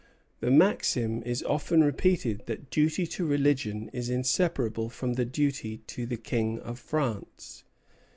The maxim is often repeated that duty to religion is inseparable from the duty to the King of France.